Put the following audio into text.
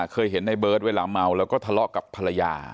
เคยเห็นในเบิร์ตเวลาเมาแล้วก็ทะเลาะกับภรรยา